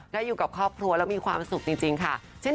ได้อยู่กับครอบครัวแล้วมีความสุขจริงค่ะ